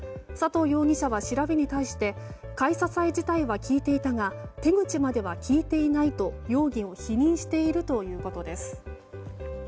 佐藤容疑者は調べに対して買い支え自体は聞いていたが手口までは聞いていないと容疑を否認しているということです。